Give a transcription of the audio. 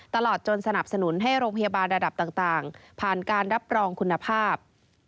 ตลอดจนสนับสนุนให้โรงพยาบาลระดับต่างผ่านการรับรองคุณภาพ